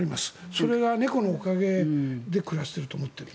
それが猫のおかげで暮らしていると思っている。